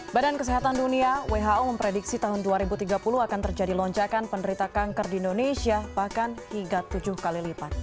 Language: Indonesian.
badan kesehatan dunia who memprediksi tahun dua ribu tiga puluh akan terjadi lonjakan penderita kanker di indonesia bahkan hingga tujuh kali lipat